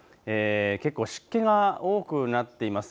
結構、湿気が多くなっています。